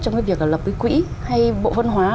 trong cái việc là lập cái quỹ hay bộ văn hóa